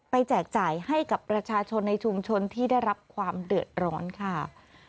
แจกจ่ายให้กับประชาชนในชุมชนที่ได้รับความเดือดร้อนค่ะ